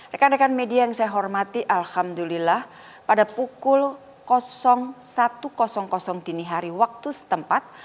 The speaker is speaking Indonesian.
rekan rekan media yang saya hormati alhamdulillah pada pukul satu dini hari waktu setempat